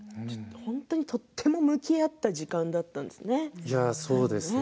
本当にとても向き合った時間だったんですね。